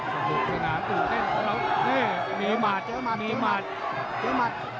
สนุกที่น้ำสนุกเต้นของเราเฮ้มีหมัดมีหมัด